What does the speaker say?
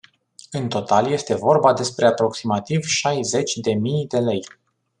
În total este vorba despre aproximativ șaizeci de mii de lei.